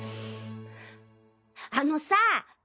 あのさぁ。